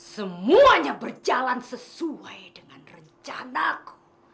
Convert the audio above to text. semuanya berjalan sesuai dengan rencanaku